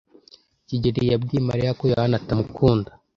kigeli yabwiye Mariya ko Yohana atamukunda.